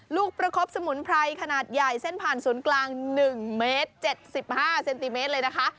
ลูกประคบสมุนไพรขนาดใหญ่เส้นผ่านศูนย์กลาง๑เมตร๗๕เซนติเมตรเลยนะคะ